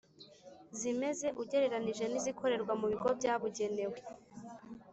zimeze ugereranyije n’izikorerwa mu bigo byabugenewe,